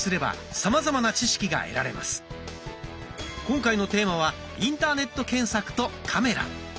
今回のテーマは「インターネット検索とカメラ」。